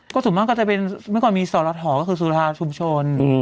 ก็สุดมากก็จะเป็นเมื่อก่อนมีส่วนละหอว์ก็คือศูลาชุมชน